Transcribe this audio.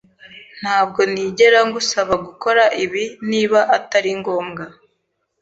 Ntabwo nigera ngusaba gukora ibi niba atari ngombwa.